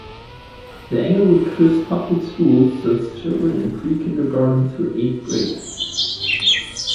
The Englewood Cliffs Public Schools serves children in pre-kindergarten through eighth grade.